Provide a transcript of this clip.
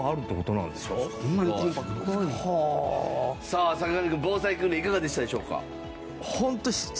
さあ坂上くん防災訓練いかがでしたでしょうか？